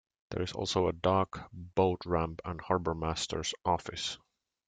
There is also a dock, boat ramp and harbormaster's office.